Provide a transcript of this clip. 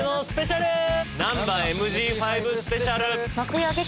スペシャル！